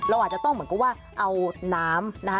เราอาจจะต้องเหมือนกับว่าเอาน้ำนะคะ